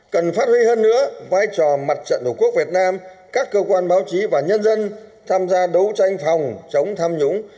cần phát huy hơn nữa vai trò mặt trận tổ quốc việt nam các cơ quan báo chí và nhân dân tham gia đấu tranh phòng chống tham nhũng